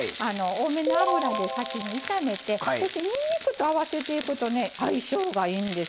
多めの油で先に炒めてそしてにんにくと合わせていくとね相性がいいんですよ。